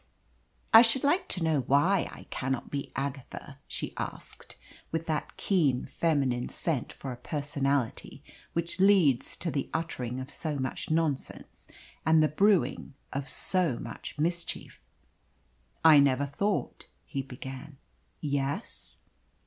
"I should like to know why I cannot be Agatha," she asked, with that keen feminine scent for a personality which leads to the uttering of so much nonsense, and the brewing of so much mischief. "I never thought " he began. "Yes?"